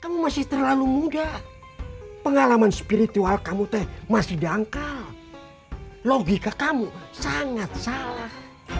kamu masih terlalu muda pengalaman spiritual kamu teh masih dangkal logika kamu sangat salah